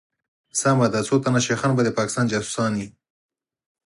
سمه ده څوتنه شيخان به دپاکستان جاسوسان وي